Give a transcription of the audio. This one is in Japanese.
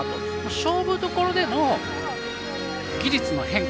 勝負どころでの技術の変化。